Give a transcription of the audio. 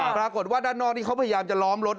ปรากฏว่าด้านนอกนี่เขาพยายามจะล้อมรถ